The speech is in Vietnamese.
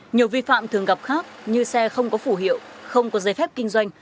nhiều vi phạm thường gặp khác như xe không có phủ hiệu không có giấy phép kinh doanh